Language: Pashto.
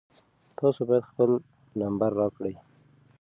تاسو باید خپل نمبر راکړئ.